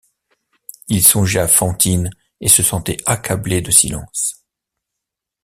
Il songeait à Fantine et se sentait accablé de silence.